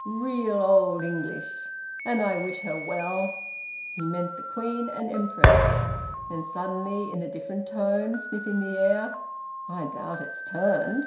Real old English! And I wish her well!" He meant the Queen and Empress. Then suddenly, in a different tone, sniffing the air, "I doubt it's turned!